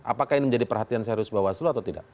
apakah ini menjadi perhatian serius bawaslu atau tidak